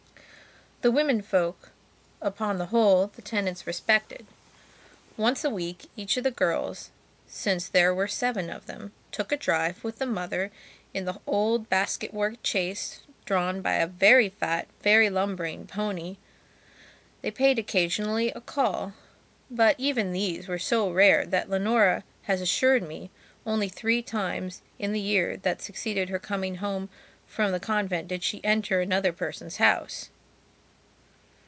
The women folk, upon the whole, the tenants respected. Once a week each of the girls, since there were seven of them, took a drive with the mother in the old basketwork chaise drawn by a very fat, very lumbering pony. They paid occasionally a call, but even these were so rare that, Leonora has assured me, only three times in the year that succeeded her coming home from the convent did she enter another person's house.